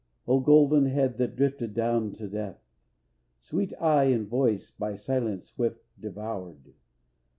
O golden head that drifted down to death! Sweet eye and voice by silence swift devoured!